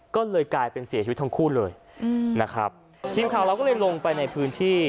ก็เลยกลายเป็นเสียชีวิตทั้งคู่เลยอืมนะครับทีมข่าวเราก็เลยลงไปในพื้นที่